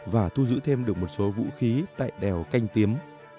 và thu giữ thêm được một số vũ khí tại đèo canh tí